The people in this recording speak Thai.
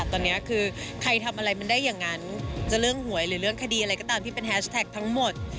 ตอนนี้คือใครทำอะไรมันได้อย่างนั้นจะเรื่องหวยหรือเรื่องคดีอะไรก็ตามที่เป็นแฮชแท็กทั้งหมด